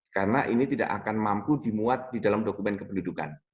karena ini tidak akan mampu dimuat di dalam dokumen kependudukan